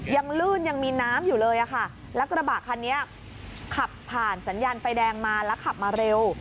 ลื่นยังมีน้ำอยู่เลยค่ะแล้วกระบะคันนี้ขับผ่านสัญญาณไฟแดงมาแล้วขับมาเร็ว